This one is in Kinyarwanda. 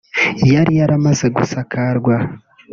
yari yaramaze gusakarwa